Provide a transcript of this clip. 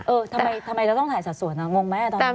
เออทำไมเราต้องถ่ายสัดส่วนงงไหมตอนนี้